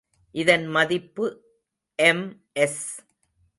இதன் மதிப்பு எம்எஸ்.